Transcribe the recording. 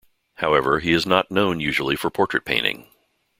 However, he is not known usually for portrait painting.